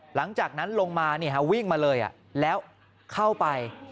หลังจากนั้นลงมาวิ่งมาเลยแล้วเข้าไป